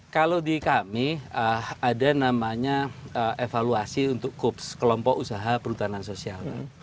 kalau di kami ada namanya evaluasi untuk kups kelompok usaha perhutanan sosial